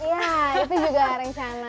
iya itu juga rencana